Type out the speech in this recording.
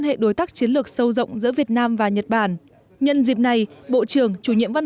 hệ đối tác chiến lược sâu rộng giữa việt nam và nhật bản nhân dịp này bộ trưởng chủ nhiệm văn